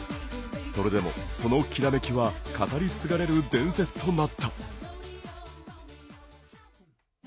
それでも、そのきらめきは語り継がれる伝説となった。